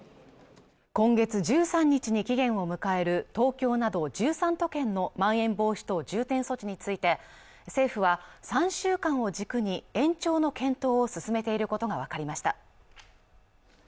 今月１３日に期限を迎える東京など１３都県のまん延防止等重点措置について政府は３週間を軸に延長の検討を進めていることが分かりました